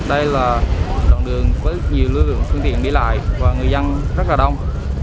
đây là đoạn đường với nhiều lưu lượng phương tiện đi lại và người dân rất là đông